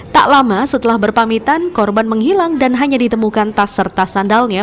tak lama setelah berpamitan korban menghilang dan hanya ditemukan tas serta sandalnya